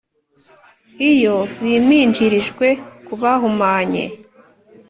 iyo biminjirijwe ku bahumanye,